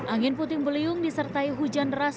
angin puting beliung di sebuah kapal